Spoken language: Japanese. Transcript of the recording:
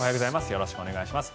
よろしくお願いします。